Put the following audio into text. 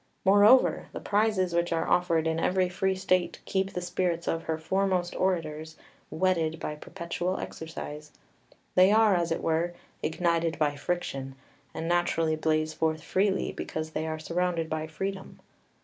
3 "Moreover, the prizes which are offered in every free state keep the spirits of her foremost orators whetted by perpetual exercise; they are, as it were, ignited by friction, and naturally blaze forth freely because they are surrounded by freedom.